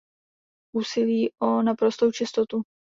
Úsilí o naprostou čistotu.